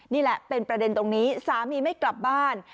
นี่แหละเป็นประเด็นตรงนี้สามีไม่กลับบ้าน